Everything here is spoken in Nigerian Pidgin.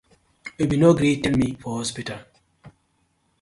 Yu been no gree tell me for hospital.